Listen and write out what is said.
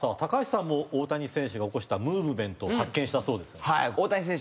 橋さんも大谷選手が起こしたムーブメントを発見したそうです。